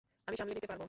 আমি সামলে নিতে পারবো।